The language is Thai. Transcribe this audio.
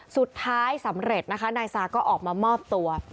สุดท้ายสำเร็จนะคะนายซาก็ออกมามอบตัว